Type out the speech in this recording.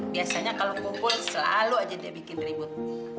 biasanya kalau kumpul selalu aja dia bikin ribut